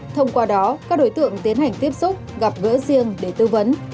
thông qua đó các đối tượng tiến hành tiếp xúc gặp gỡ riêng để tư vấn